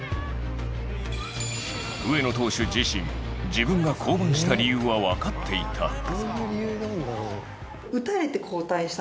上野投手自身、自分が降板した理由はわかっていた。